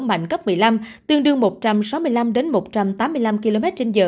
mạnh cấp một mươi năm tương đương một trăm sáu mươi năm một trăm tám mươi năm kmh